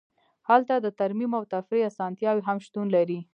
هلته د ترمیم او تفریح اسانتیاوې هم شتون لري